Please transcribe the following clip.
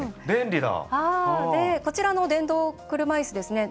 こちらの電動車椅子ですね